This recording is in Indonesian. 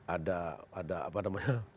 ada ada apa namanya